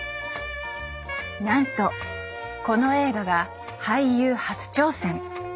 なんとこの映画が俳優初挑戦！